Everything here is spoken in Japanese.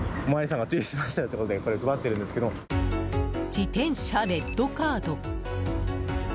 自転車レッドカード。